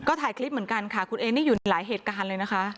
ก็ถ่ายคลิปเหมือนกันค่ะคุณเอนี่อยู่ในหลายเหตุการณ์เลยนะคะ